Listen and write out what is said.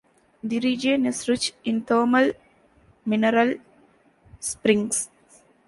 The region is rich in thermal mineral springs.